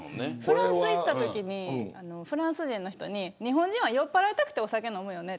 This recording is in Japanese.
フランスに行ったときにフランス人の人に日本人は酔っぱらいたくてお酒飲むよね。